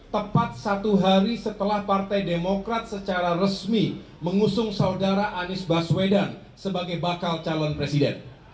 tepat satu hari setelah partai demokrat secara resmi mengusung saudara anies baswedan sebagai bakal calon presiden